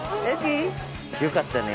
よかったね。